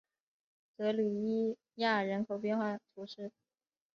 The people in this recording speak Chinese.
德吕伊亚人口变化图示